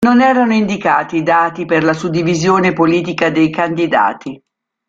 Non erano indicati dati per la suddivisione politica dei candidati.